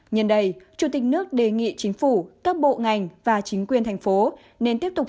nhân đây chủ tịch nước đề nghị chính phủ các bộ ngành và chính quyền thành phố nên tiếp tục